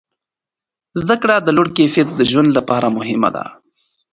زده کړه د لوړ کیفیت د ژوند لپاره مهمه ده.